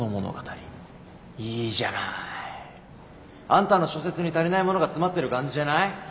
いいじゃない。あんたの小説に足りないものが詰まってる感じじゃない？